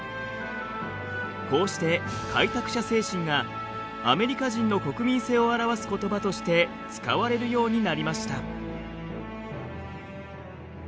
こうして開拓者精神がアメリカ人の国民性を表す言葉として使われるようになりました。